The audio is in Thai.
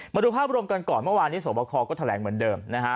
มาดูภาพรวมกันก่อนเมื่อวานนี้สวบคอก็แถลงเหมือนเดิมนะฮะ